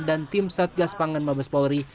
dan tim satgas pangan mabes polri